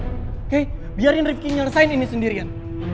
oke biarin rifki menyelesaikan ini sendirian